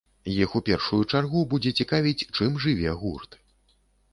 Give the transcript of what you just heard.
Іх у першую чаргу будзе цікавіць, чым жыве гурт.